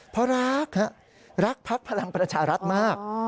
เพราะรักรักภักดิ์พลังประชารัฐมาก